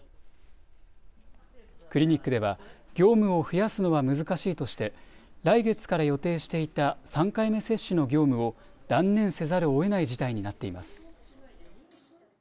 クリニックでは業務を増やすのは難しいとして来月から予定していた３回目接種の業務を断念せざるをえない事態になっています。